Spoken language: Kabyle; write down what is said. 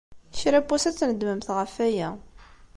Kra n wass, ad tnedmemt ɣef waya.